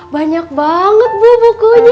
banyak banget bu bukunya